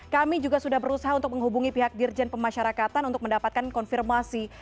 kami juga sudah berusaha untuk menghubungi pihak dirjen pemasyarakatan untuk mendapatkan konfirmasi